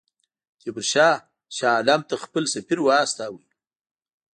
تیمورشاه شاه عالم ته خپل سفیر واستاوه.